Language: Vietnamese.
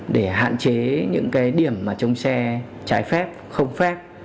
để hạn chế những cái điểm mà chống xe trái phép không phép